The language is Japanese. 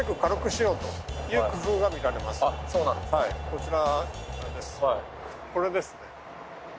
こちらです。